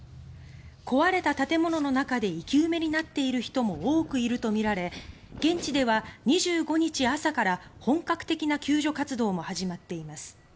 壊れた建物の中で生き埋めになっている人も多くいるとみられ現地では２５日朝から本格的な救出活動も始まっています。